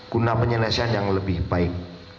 guna penyelesaian yang lebih baik